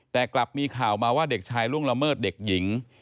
แต่กลับมีข่าวมาว่าเด็กชายล่วงละเมิดเด็กหญิง